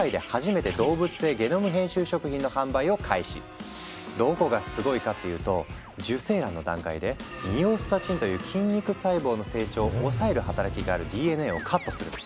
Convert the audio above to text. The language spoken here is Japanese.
中でも私たちに身近なのがどこがすごいかっていうと受精卵の段階で「ミオスタチン」という筋肉細胞の成長を抑える働きがあるＤＮＡをカットするの。